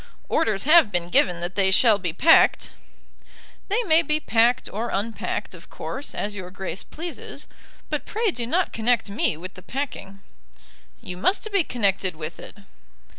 "Orders have been given that they shall be packed." "They may be packed or unpacked, of course, as your Grace pleases, but pray do not connect me with the packing." "You must be connected with it."